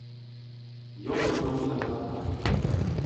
Ён выгнуўся з акна.